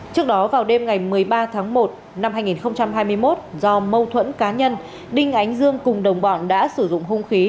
trước đó vào đêm ngày một mươi ba tháng một năm hai nghìn hai mươi một do mâu thuẫn cá nhân đinh ánh dương cùng đồng bọn đã sử dụng hung khí